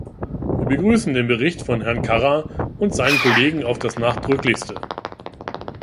Wir begrüßen den Bericht von Herrn Carra- und seinen Kollegen auf das Nachdrücklichste.